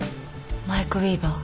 マイク・ウィーバー。